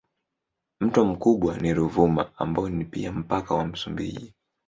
Mto mkubwa ni Ruvuma ambao ni pia mpaka wa Msumbiji.